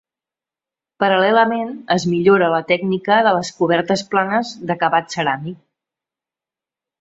Paral·lelament es millora la tècnica de les cobertes planes d'acabat ceràmic.